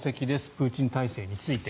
プーチン体制について。